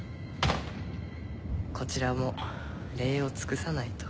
こちらも礼を尽くさないと。